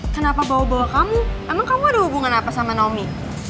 kenapa bawa bawa kamu emang kamu ada hubungan apa sama nomi